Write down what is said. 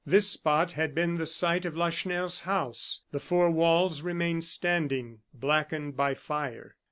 This spot had been the site of Lacheneur's house. The four walls remained standing, blackened by fire.